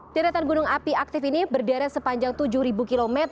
tiretan gunung api aktif ini berdara sepanjang tujuh km